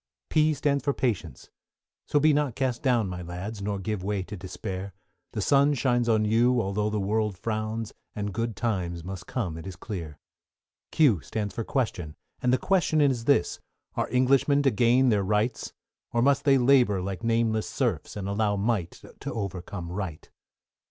=P= stands for Patience, so be not cast down, My lads, nor give way to despair; The sun shines on you, although the world frowns, And good times must come it is clear. =Q= stands for Question, and the Question is this, Are Englishmen to gain their Rights? Or must they labour like nameless serfs, And allow Might to overcome Right?